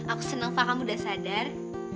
aku seneng fah kamu udah sadar